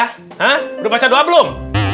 hah udah baca doa belum